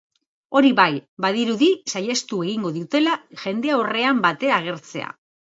Hori bai, badirudi saihestu egingo dutela jendaurrean batera agertzea.